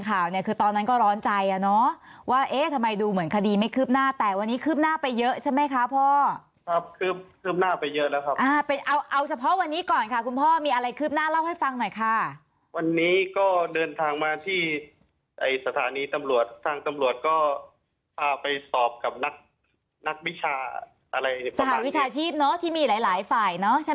ข่าวเนี่ยคือตอนนั้นก็ร้อนใจอ่ะเนอะว่าเอ๊ะทำไมดูเหมือนคดีไม่คืบหน้าแต่วันนี้คืบหน้าไปเยอะใช่ไหมคะพ่อครับคือคืบหน้าไปเยอะแล้วครับอ่าเป็นเอาเอาเฉพาะวันนี้ก่อนค่ะคุณพ่อมีอะไรคืบหน้าเล่าให้ฟังหน่อยค่ะวันนี้ก็เดินทางมาที่ไอ้สถานีตำรวจทางตำรวจก็พาไปสอบกับนักวิชาอะไรสหวิชาชีพเนอะที่มีหลายหลายฝ่ายเนอะใช่ไหม